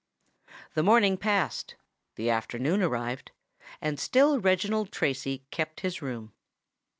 The morning passed: the afternoon arrived: and still Reginald Tracy kept his room.